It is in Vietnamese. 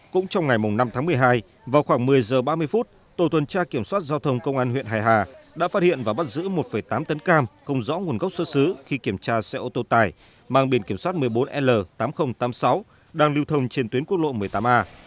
cũng trong ngày năm tháng một mươi hai vào khoảng một mươi giờ ba mươi tổ tuần tra kiểm soát giao thông công an huyện hài hà đã phát hiện và bắt giữ một tám tấn cam không rõ nguồn gốc xuất xứ khi kiểm tra xe ô tô tải mang biển kiểm soát một mươi bốn l tám nghìn tám mươi sáu đang lưu thông trên tuyến quốc lộ một mươi tám a